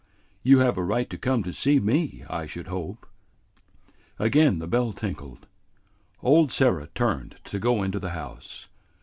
You have a right to come to see me, I should hope." Again the bell tinkled. Old Sarah turned to go into the house.